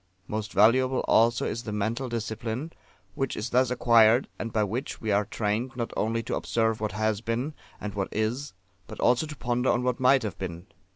Most valuable also is the mental discipline which is thus acquired, and by which we are trained not only to observe what has been, and what is, but also to ponder on what might have been.